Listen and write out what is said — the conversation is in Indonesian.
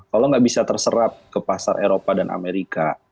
kalau nggak bisa terserap ke pasar eropa dan amerika